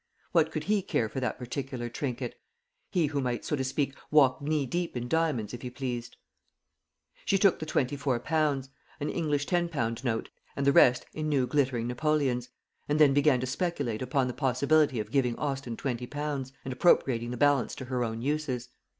What could he care for that particular trinket; he who might, so to speak, walk knee deep in diamonds, if he pleased? She took the twenty four pounds an English ten pound note, and the rest in new glittering napoleons and then began to speculate upon the possibility of giving Austin twenty pounds, and appropriating the balance to her own uses.